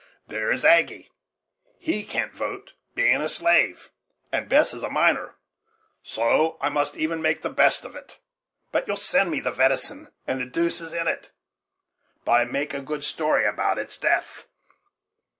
There is Aggy, he can't vote, being a slave; and Bess is a minor so I must even make the best of it. But you'll send me the venison; and the deuce is in it, but I make a good story about its death."